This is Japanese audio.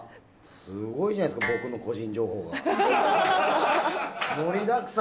すごいじゃないですか、僕の個人情報が。